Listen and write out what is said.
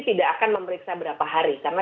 tidak akan memeriksa berapa hari karena